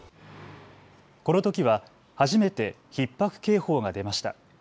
このときは初めてひっ迫警報が出ました。